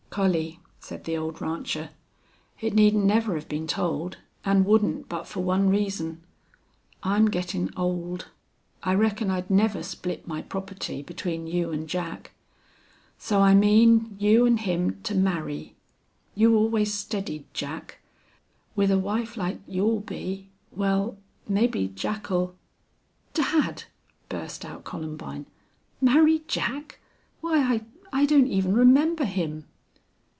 "Collie," said the old rancher, "it needn't never have been told, an' wouldn't but fer one reason. I'm gettin' old. I reckon I'd never split my property between you an' Jack. So I mean you an' him to marry. You always steadied Jack. With a wife like you'll be wal, mebbe Jack'll " "Dad!" burst out Columbine. "Marry Jack!... Why I I don't even remember him!"